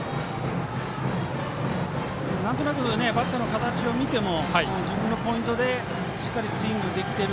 なんとなくバッターの形を見ても自分のポイントでしっかりスイングできてる